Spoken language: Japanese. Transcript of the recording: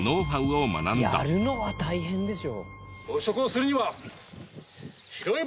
やるのは大変でしょ。